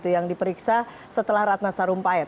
yang diperiksa setelah ratna sarumpait